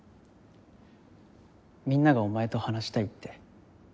みんながお前と話したいって。